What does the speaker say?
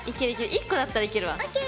１個だったらいけるわ。ＯＫ。